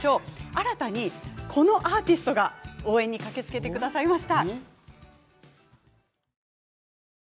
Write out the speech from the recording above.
新たにこのアーティストが応援に駆けつけてくださいました。